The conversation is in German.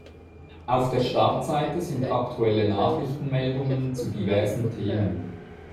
Auf der Startseite sind aktuelle Nachrichtenmeldungen zu diversen Themen.